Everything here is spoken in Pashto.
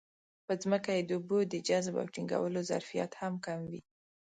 په ځمکه کې د اوبو د جذب او ټینګولو ظرفیت هم کم وي.